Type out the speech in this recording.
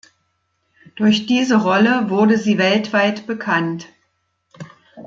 Durch diese Rolle wurde sie weltweit bekannt.